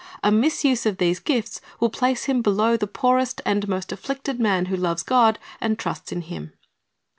A misuse of these gifts will place him below the poorest and most afflicted man who loves God and trusts in Him.